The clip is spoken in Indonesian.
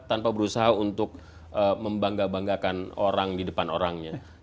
tanpa berusaha untuk membangga banggakan orang di depan orangnya